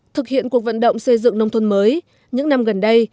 thực hiện cuộc vận động xây dựng nông thôn mới những năm gần đây